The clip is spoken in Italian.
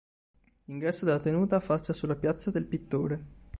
L'ingresso della tenuta affaccia sulla piazza del Pittore.